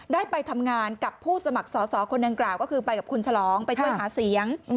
ได้ไปทำงานกับผู้สมัครสอสอคนดังกล่าวก็คือไปกับคุณฉลองไปช่วยหาเสียง